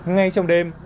ngay trong đêm